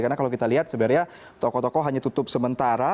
karena kalau kita lihat sebenarnya toko toko hanya tutup sementara